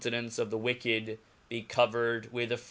nance of the wicked be covered wi^h af^.